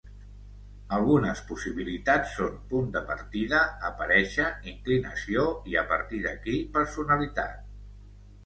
Algunes possibilitats són 'punt de partida', 'aparèixer', 'inclinació' i a partir d'aquí, 'personalitat'.